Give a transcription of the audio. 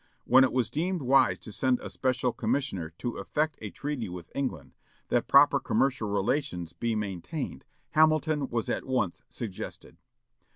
When it was deemed wise to send a special commissioner to effect a treaty with England, that proper commercial relations be maintained, Hamilton was at once suggested.